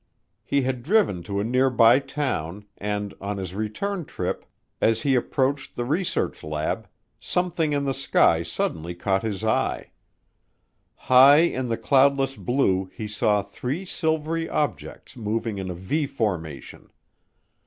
He had driven to a nearby town, and on his return trip, as he approached the research lab, something in the sky suddenly caught his eye. High in the cloudless blue he saw three silvery objects moving in a V formation.